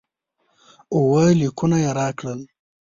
اووه لیکونه یې راکړل.